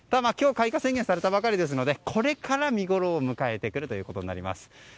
今日開花宣言されたばかりですのでこれから見ごろを迎えてくるということになります。